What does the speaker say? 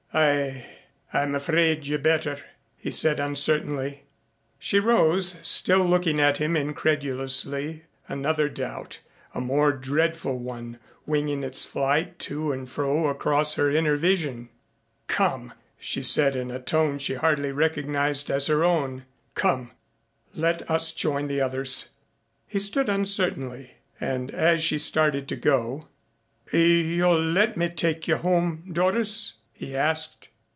"I I'm afraid you'd better," he said uncertainly. She rose, still looking at him incredulously, another doubt, a more dreadful one, winging its flight to and fro across her inner vision. "Come," she said in a tone she hardly recognized as her own, "come let us join the others." He stood uncertainly and as she started to go, "You'll let me take you home, Doris?" he asked.